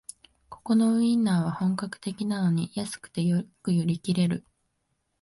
ここのウインナーは本格的なのに安くてよく売り切れる